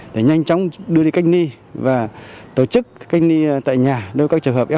để nhanh chóng đưa đi cách ly và tổ chức cách ly tại nhà đối với các trường hợp f hai f ba